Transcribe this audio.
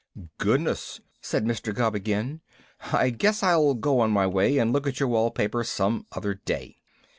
"Goodness!" said Mr. Gubb again. "I guess I'll go on my way and look at your wall paper some other day."